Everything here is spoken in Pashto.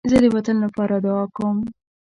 زه د وطن لپاره دعا کوم